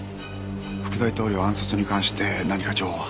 副大統領暗殺に関して何か情報は？